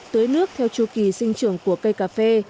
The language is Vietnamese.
tưới nước theo chu kỳ sinh trưởng của cây cà phê